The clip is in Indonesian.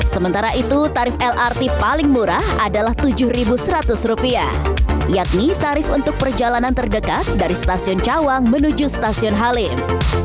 sementara itu tarif lrt paling murah adalah rp tujuh seratus yakni tarif untuk perjalanan terdekat dari stasiun cawang menuju stasiun halim